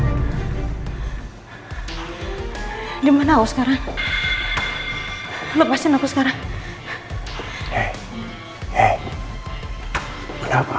siap ready faqata ketemu lagi makasih facebookgi kamu christon malkud syukuri siapa przedmin kamu katakan suaminya lo ngomong npass